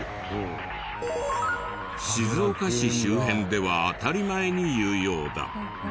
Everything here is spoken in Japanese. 静岡市周辺では当たり前に言うようだ。